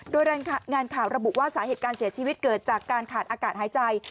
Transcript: โดยรายงานข่าวระบุว่าสาเหตุการเสียชีวิตเกิดจากการขาดอากาศหายใจ